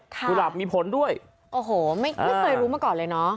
กุหลาบมีผลด้วยโอ้โหไม่ไม่เคยรู้มาก่อนเลยน้อง